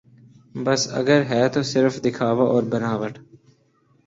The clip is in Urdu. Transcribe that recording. بس اگر ہے تو صرف دکھاوا اور بناوٹ